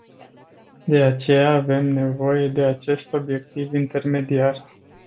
De aceea avem nevoie de acest obiectiv intermediar.